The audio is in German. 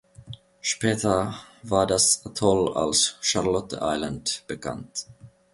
Später war das Atoll als "Charlotte Island" bekannt.